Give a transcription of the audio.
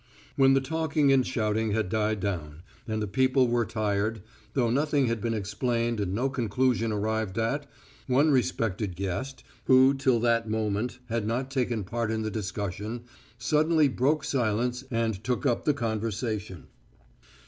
When the talking and shouting had died down, and the people were tired, though nothing had been explained and no conclusion arrived at, one respected guest, who till that moment had not taken part in the discussion, suddenly broke silence and took up the conversation.